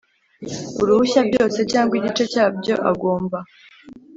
Uruhushya byose cyangwa igice cyabyo agomba